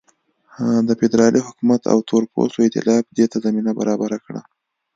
د فدرالي حکومت او تورپوستو اېتلاف دې ته زمینه برابره کړه.